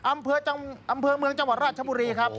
อำเภอเมืองจังหวัดราชบุรีครับ